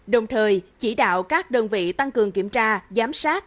đồng thời chỉ đạo các đơn vị tăng cường kiểm tra giám sát